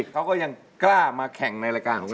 เขาก็ยังกล้ามาแข่งในรายการของเรา